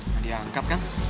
nah dia angkat kan